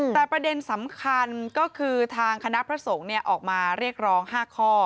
แต่ประเด็นสำคัญก็คือทางคณะพระสงฆ์ออกมาเรียกร้อง๕ข้อ